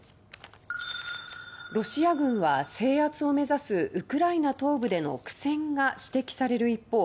ロシア軍は、制圧を目指すウクライナ東部での苦戦が指摘される一方